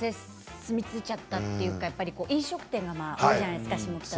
住み着いちゃったというか飲食店が多いじゃないですか下北沢は。